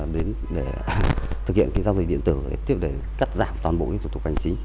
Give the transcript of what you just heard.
đến để thực hiện cái giao dịch điện tử để cắt giảm toàn bộ thủ tục hành chính